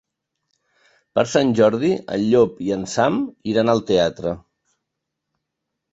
Per Sant Jordi en Llop i en Sam iran al teatre.